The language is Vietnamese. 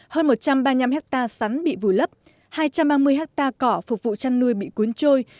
hơn một trăm ba mươi năm hectare sắn bị vùi lấp hai trăm ba mươi hectare cỏ phục vụ chăn nuôi bị cuốn trôi